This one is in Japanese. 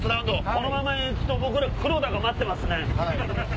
このまま行くと僕ら黒田が待ってますね。